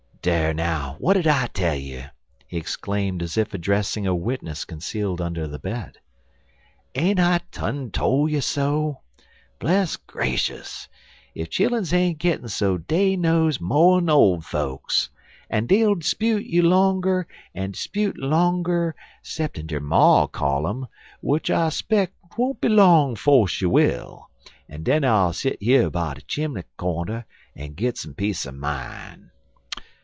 "Dar now! W'at I tell you?" he exclaimed as if addressing a witness concealed under the bed. "Ain't I done tole you so? Bless grashus! ef chilluns ain't gittin' so dey knows mo'n ole fokes, en dey'll 'spute longer you en 'spute longer you, ceppin' der ma call um, w'ich I speck 'twon't be long 'fo' she will, en den Ill set yere by de chimbly cornder en git some peace er mine.